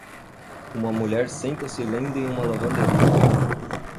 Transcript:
Uma mulher senta-se lendo em uma lavanderia